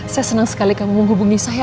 saya senang sekali kamu menghubungi saya